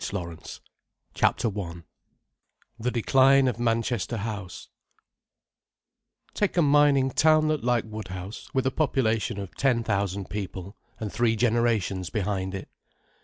SUSPENSE CHAPTER I THE DECLINE OF MANCHESTER HOUSE Take a mining townlet like Woodhouse, with a population of ten thousand people, and three generations behind it.